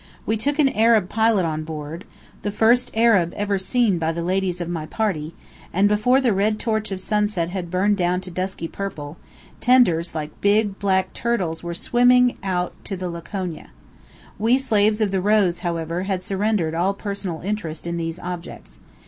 We took an Arab pilot on board the first Arab ever seen by the ladies of my party and before the red torch of sunset had burned down to dusky purple, tenders like big, black turtles were swimming out to the Laconia. We slaves of the Rose, however, had surrendered all personal interest in these objects.